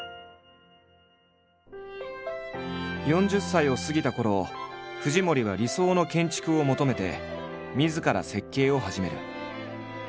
４０歳を過ぎたころ藤森は理想の建築を求めてみずから設計を始める。